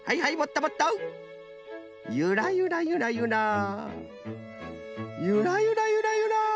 ゆらゆらゆらゆら。